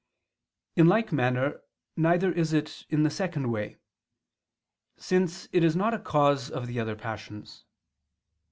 In like manner, neither is it in the second way: since it is not a cause of the other passions.